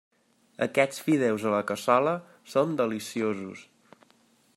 Aquests fideus a la cassola són deliciosos.